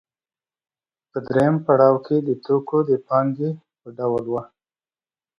په درېیم پړاو کې د توکو د پانګې په ډول وه